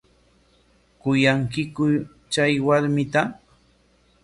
¿Kuyankiku chay warmita?